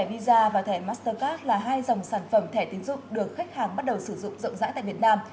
bởi vì thẻ visa và thẻ mastercard là hai dòng sản phẩm thẻ tiến dụng được khách hàng bắt đầu sử dụng rộng rãi tại việt nam